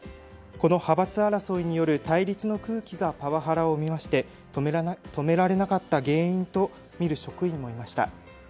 この派閥争いによる対立の空気がパワハラを生みまして止められなかった原因と見る職員もいました。